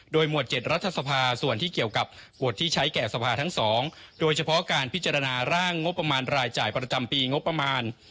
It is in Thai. หมวด๗รัฐสภาส่วนที่เกี่ยวกับหมวดที่ใช้แก่สภาทั้ง๒โดยเฉพาะการพิจารณาร่างงบประมาณรายจ่ายประจำปีงบประมาณ